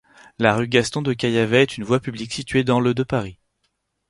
La rue Gaston-de-Caillavet est une voie publique située dans le de Paris.